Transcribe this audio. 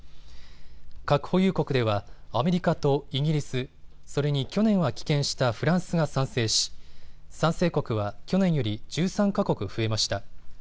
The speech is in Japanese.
核保有国ではアメリカとイギリス、それに去年は棄権したフランスが賛成し賛成国は去年より１３か国増えました。